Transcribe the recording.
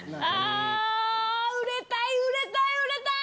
売れたい売れたい売れたい！